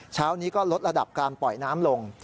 เช้านี้ก็ลดระดับการปล่อยน้ำลง